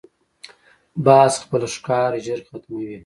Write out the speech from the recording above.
باز خپل ښکار ژر ختموي